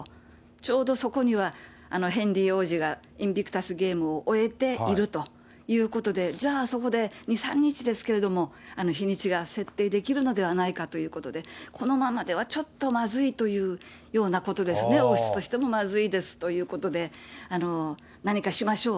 ちょうどそこにはヘンリー王子がインビクタス・ゲームを終えているということで、じゃあ、そこで２、３日ですけど、日にちが設定できるのではないかということで、このままではちょっとまずいというようなことですね、王室としてもまずいですということで、何かしましょう、